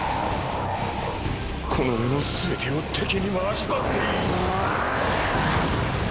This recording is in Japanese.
この世のすべてを敵に回したっていい。